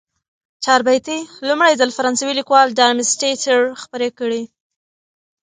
چاربیتې لومړی ځل فرانسوي لیکوال ډارمستتر خپرې کړې.